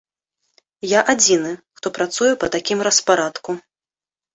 Я адзіны, хто працуе па такім распарадку.